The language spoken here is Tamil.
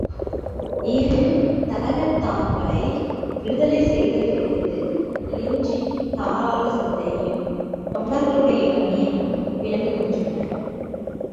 இரு தளகர்த்தாக்களை விடுதலை செய்ததிலிருந்து லிஞ்சின் தாராள சிந்தையும் தொண்டர்களுடைய கண்ணியமும் விளங்குகின்றன.